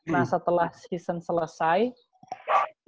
nah setelah season selesai itu masih ada jarak